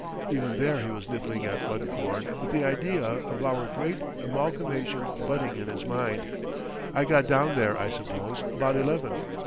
(Even there he was nibbling at Runcorn with the idea of our great Amalgamation budding in his mind.) I got down there, I suppose, about eleven.